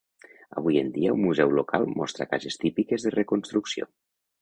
Avui en dia, un museu local mostra cases típiques de reconstrucció.